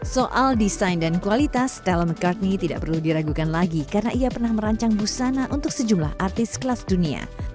soal desain dan kualitas stella mccartney tidak perlu diragukan lagi karena ia pernah merancang busana untuk sejumlah artis kelas dunia